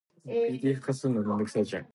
I'm a synthesist.